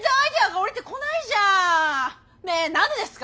ねえ何でですか？